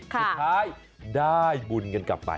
สุดท้ายได้บุญกันกลับไป